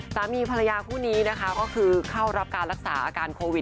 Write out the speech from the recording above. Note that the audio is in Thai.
สามีภรรยาคู่นี้นะคะก็คือเข้ารับการรักษาอาการโควิด